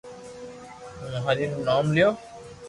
ھون ھري رو نوم ليو